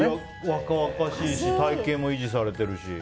若々しいし体形も維持されているし。